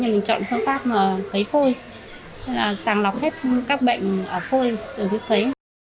mình chọn phương pháp cấy phôi sàng lọc hết các bệnh phôi ở phía cấy